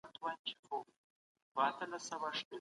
اقتصادي تعاون یو اخلاقي مسؤلیت دی.